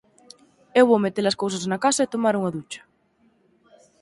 Eu vou mete-las cousas na casa e tomar unha ducha.